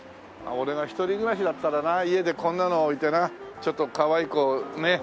俺が一人暮らしだったらな家でこんなのを置いてなちょっとかわいい子ねっ。